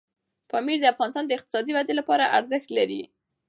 پامیر د افغانستان د اقتصادي ودې لپاره ارزښت لري.